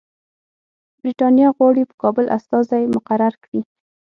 برټانیه غواړي په کابل استازی مقرر کړي.